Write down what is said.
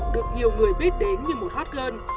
được nhiều người biết đến như một hot girl